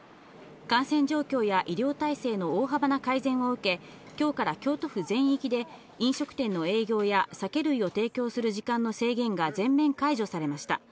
感染状況や医療体制の大幅な改善を受け、今日から京都府全域で飲食店の営業や酒類を提供する時間の制限が全面解除されました。